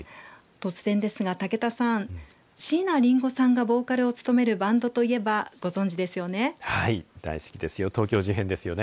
突然ですが武田さん椎名林檎さんがボーカルを務めるバンドといえばご存じですよね。